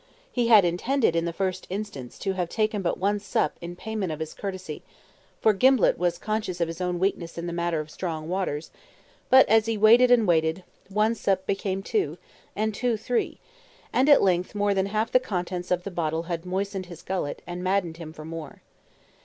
He had intended, in the first instance, to have taken but one sup in payment of his courtesy for Gimblett was conscious of his own weakness in the matter of strong waters but as he waited and waited, the one sup became two, and two three, and at length more than half the contents of the bottle had moistened his gullet, and maddened him for more.